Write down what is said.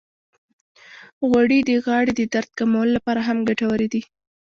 غوړې د غاړې د درد کمولو لپاره هم ګټورې دي.